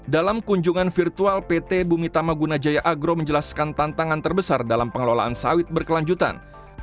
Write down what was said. dalam kunjungan virtual pt bumi tama gunajaya agro menjelaskan tantangan terbesar dalam pengelolaan sawit berkelanjutan